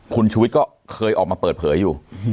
คุณชุวิตก็เคยออกมาเปิดเผยอยู่